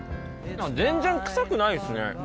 全然臭くないですね。